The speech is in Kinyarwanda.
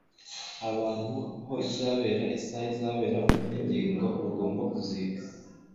abantu aho izabera, isaha izaberaho n’ingingo bagomba kuziga